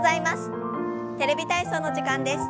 「テレビ体操」の時間です。